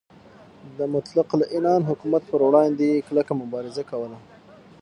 د مطلق العنان حکومت پروړاندې یې کلکه مبارزه کوله.